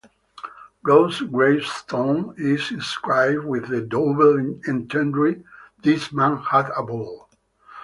Ross' gravestone is inscribed with the double entendre "This man had a ball".